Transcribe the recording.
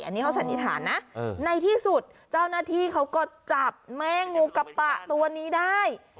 อันนี้เขาสันนิษฐานนะในที่สุดเจ้าหน้าที่เขาก็จับแม่งูกระปะตัวนี้ได้